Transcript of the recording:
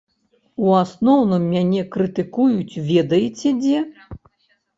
У асноўным мяне крытыкуюць ведаеце дзе?